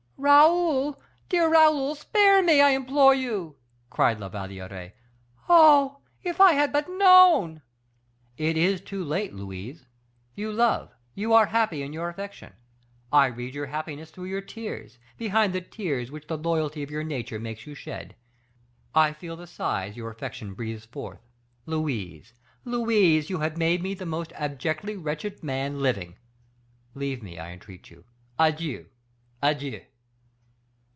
"Raoul dear Raoul! spare me, I implore you!" cried La Valliere. "Oh! if I had but known " "It is too late, Louise; you love, you are happy in your affection; I read your happiness through your tears behind the tears which the loyalty of your nature makes you shed; I feel the sighs your affection breathes forth. Louise, Louise, you have made me the most abjectly wretched man living; leave me, I entreat you. Adieu! adieu!"